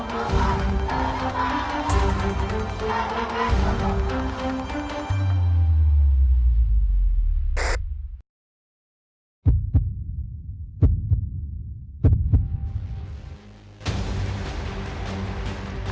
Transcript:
tak akan kukuh kukuh tak akan kukuh kukuh